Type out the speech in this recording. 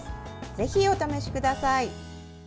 ぜひお試しください。